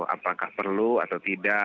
apakah perlu atau tidak